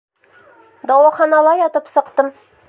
Дауаханала ятып сыҡтым.